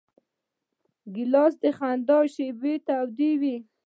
ګیلاس د خندا شېبې تودوي.